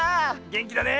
げんきだね！